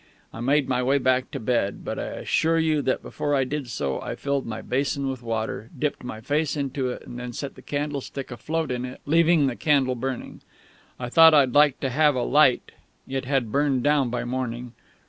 I made my way back to bed; but I assure you that before I did so I filled my basin with water, dipped my face into it, and then set the candlestick afloat in it, leaving the candle burning. I thought I'd like to have a light.... It had burned down by morning.